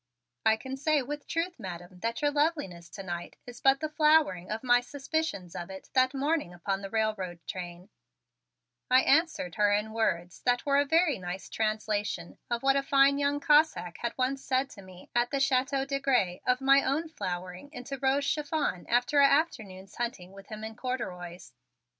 "I can say with truth, Madam, that your loveliness to night is but the flowering of my suspicions of it that morning upon the railroad train," I answered her in words that were a very nice translation of what that fine young Cossack had once said to me at the Chateau de Grez of my own flowering into rose chiffon after an afternoon's hunting with him in corduroys.